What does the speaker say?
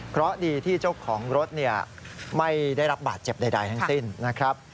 เพราะดีที่เจ้าของรถไม่ได้รับบาดเจ็บใดทั้งสิ้นนะครับ